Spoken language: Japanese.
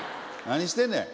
何してんねん？